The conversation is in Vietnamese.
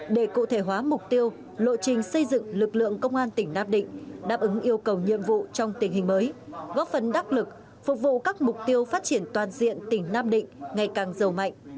để cụ thể hóa mục tiêu lộ trình xây dựng lực lượng công an tỉnh nam định đáp ứng yêu cầu nhiệm vụ trong tình hình mới góp phần đắc lực phục vụ các mục tiêu phát triển toàn diện tỉnh nam định ngày càng giàu mạnh